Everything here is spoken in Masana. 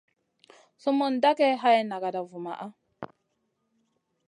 Sumun dagey hay nagada vumaʼa.